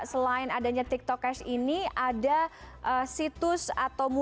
selain adanya tiktok cash ini ada situs atau mungkin